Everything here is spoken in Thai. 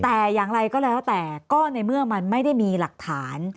แต่อย่างไรก็แล้วแต่ก็ในเมื่อมันไม่ได้มีหลักฐาน